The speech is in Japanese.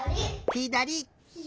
ひだり！